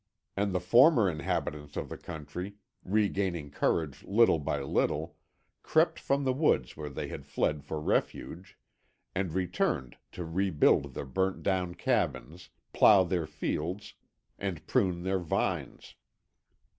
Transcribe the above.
And the former inhabitants of the country, regaining courage little by little, crept from the woods where they had fled for refuge, and returned to rebuild their burnt down cabins, plough their fields, and prune their vines.